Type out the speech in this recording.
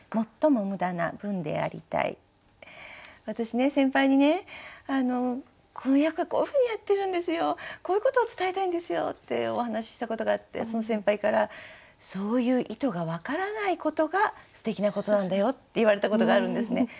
私先輩にねこの役こういうふうにやってるんですよこういうことを伝えたいんですよってお話ししたことがあってその先輩からそういう意図が分からないことがすてきなことなんだよって言われたことがあるんですね。